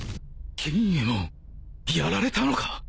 錦えもんやられたのか！？